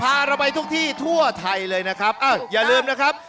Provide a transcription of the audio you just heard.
เราไปทุกที่ทั่วไทยเลยนะครับอ้าวอย่าลืมนะครับ